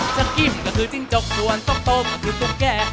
จะกินก็คือจิ้นจกส่วนโต๊ะโตก็คือโต๊ะแก่